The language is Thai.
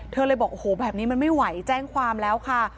เธอเลยบอกโอ้โหแบบนี้มันไม่ไหวแจ้งความแล้วค่ะ